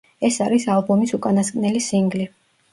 ეს არის ალბომის უკანასკნელი სინგლი.